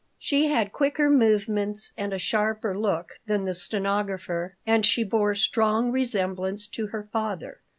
She had quicker movements and a sharper look than the stenographer and she bore strong resemblance to her father.